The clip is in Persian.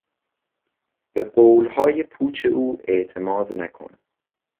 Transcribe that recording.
به قولهای پوچ او اعتماد نکن.